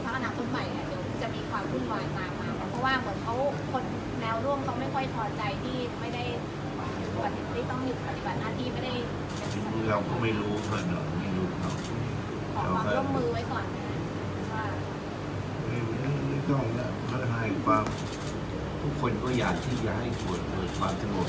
ไม่ต้องนะทุกคนก็อยากที่จะให้ส่วนความสะดวกด้วยกันได้นะครับ